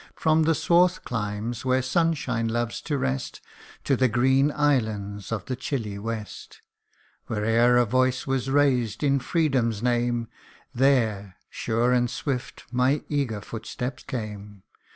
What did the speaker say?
From the swarth climes, where sunshine loves to rest, To the green islands of the chilly west, Where'er a voice was raised in Freedom's name, There sure and swift my eager footstep came.